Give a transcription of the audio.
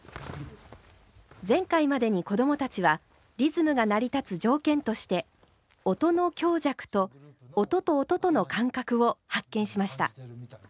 前回までに子どもたちはリズムが成り立つ条件として音の強弱と音と音との間隔を発見しました。